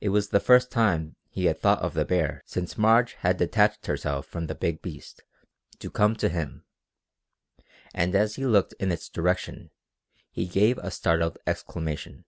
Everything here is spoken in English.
It was the first time he had thought of the bear since Marge had detached herself from the big beast to come to him, and as he looked in its direction he gave a startled exclamation.